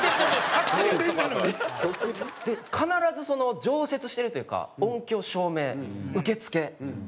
必ず常設してるというか音響照明受付。